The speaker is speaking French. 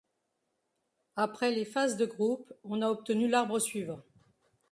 Après les phases de groupes, on a obtenu l'arbre suivant.